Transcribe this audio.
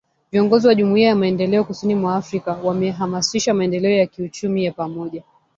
Viongozi wa Jumuiya ya Maendeleo Kusini mwa Afrika wahamasisha maendeleo ya kiuchumi ya pamoja